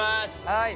はい。